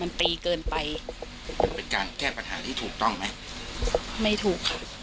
ไม่ถูกครับ